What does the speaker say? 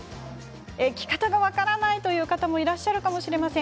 着方が分からないという方もいらっしゃるかもしれません。